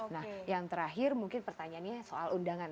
nah yang terakhir mungkin pertanyaannya soal undangan